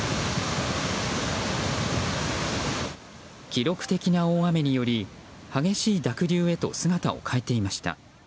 記録的な大雨により激しい濁流へと姿を変えていました。